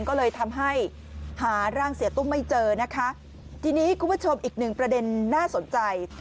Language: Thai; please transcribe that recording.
ก็เลยทำให้หาร่างเสียตุ้มไม่เจอนะคะทีนี้คุณผู้ชมอีกหนึ่งประเด็นน่าสนใจ